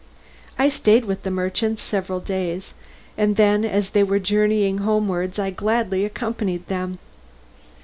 I stayed with the merchants several days, and then as they were journeying homewards I gladly accompanied them.